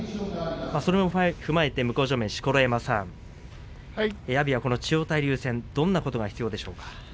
それを踏まえて向正面の錣山さん阿炎の千代大龍戦どんなことが必要でしょうか。